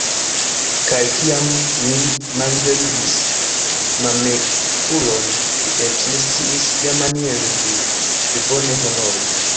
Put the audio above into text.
Kaj kiam ni malliberigis Mametkulon, li eĉ ne sciis, kiamaniere lin pli bone honori!